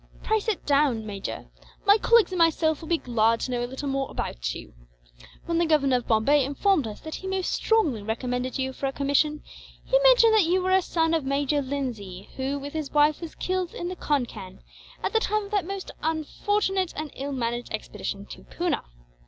"Pray sit down, Major. My colleagues and myself will be glad to know a little more about you. When the Governor of Bombay informed us that he most strongly recommended you for a commission, he mentioned that you were a son of Major Lindsay who, with his wife, was killed in the Concan, at the time of that most unfortunate and ill managed expedition to Poona.